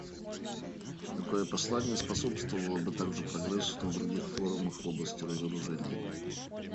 Такое послание способствовало бы также прогрессу на других форумах в области разоружения.